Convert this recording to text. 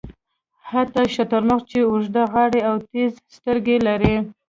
حتی شترمرغ چې اوږده غاړه او تېزې سترګې لري.